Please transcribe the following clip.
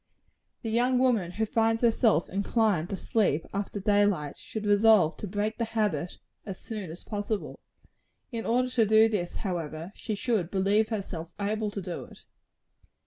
The young woman who finds herself inclined to sleep after day light, should resolve to break the habit as soon as possible. In order to do this, however, she should believe herself able to do it.